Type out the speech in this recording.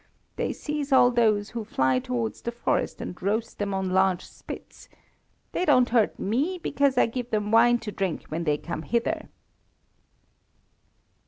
They seize all those who fly towards the forest and roast them on large spits. They don't hurt me because I give them wine to drink when they come hither."